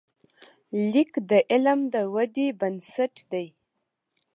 لیک د علم د ودې بنسټ دی.